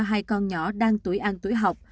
hai con nhỏ đang tuổi ăn tuổi học